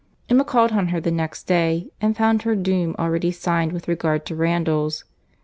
Emma called on her the next day, and found her doom already signed with regard to Randalls.